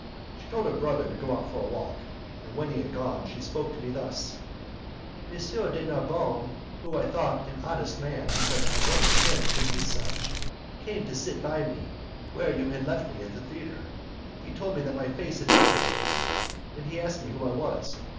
She told her brother to go out for a walk, and when he had gone she spoke to me thus: "M. de Narbonne, whom I thought an honest man, because I wanted him to be such, came to sit by me where you had left me at the theatre; he told me that my face had interested him, and he asked me who I was.